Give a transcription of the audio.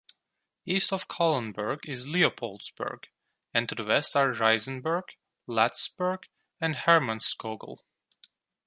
East of Kahlenberg is Leopoldsberg; and to the west are Reisenberg, Latisberg, and Hermannskogel.